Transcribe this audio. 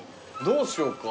どうしようか？